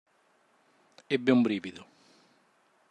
Ebbe un brivido.